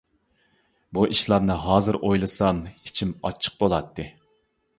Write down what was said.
بۇ ئىشلارنى ھازىر ئويلىسام ئىچىم ئاچچىق بۇلاتتى.